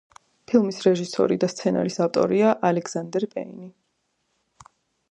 ფილმის რეჟისორი და სცენარის ავტორია ალეგზანდერ პეინი.